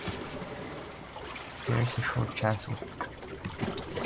There is a short chancel.